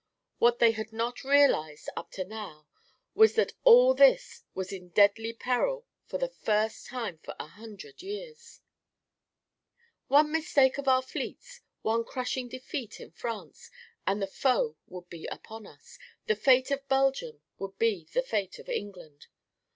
What they had not realised up to now was that all this was in deadly peril for the first time for a hundred years! One mistake of our Fleets, one crushing defeat in France, and the foe would be upon us; the fate of Belgium would be the fate of England!